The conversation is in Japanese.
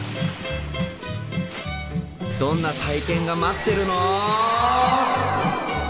どんな体験が待ってるの？